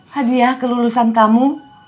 hadiah kelulusan kamu